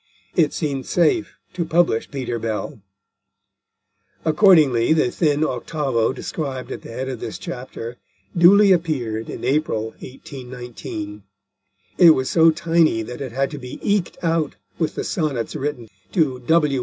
It seemed safe to publish Peter Bell. Accordingly, the thin octavo described at the head of this chapter duly appeared in April 1819. It was so tiny that it had to be eked out with the Sonnets written to W.